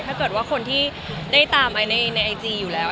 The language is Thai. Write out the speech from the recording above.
ถ้าเกิดว่าคนที่ได้ตามไอซ์ในไอจีอยู่แล้ว